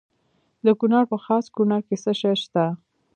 د کونړ په خاص کونړ کې څه شی شته؟